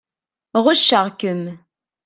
Ɣucceɣ-kem.